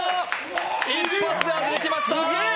一発で当てました。